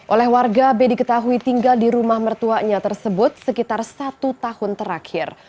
oleh warga b diketahui tinggal di rumah mertuanya tersebut sekitar satu tahun terakhir